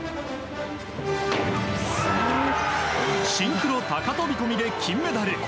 シンクロ高飛込で金メダル